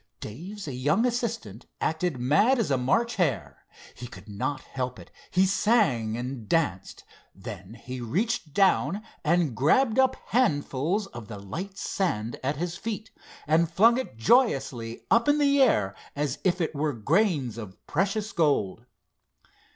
Dave's young assistant acted mad as a March hare. He could not help it. He sang and danced. Then he reached down and grabbed up handfuls of the light sand at his feet, and flung it joyously up in the air as if it were grains of precious gold.